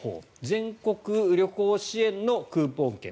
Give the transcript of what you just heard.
全国旅行支援のクーポン券。